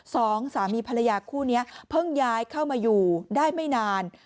สองสามีภรรยาคู่นี้เพิ่งย้ายเข้ามาอยู่ได้ไม่นาน